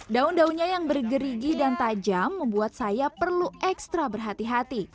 daun daunnya yang bergerigi dan tajam membuat saya perlu ekstra berhati hati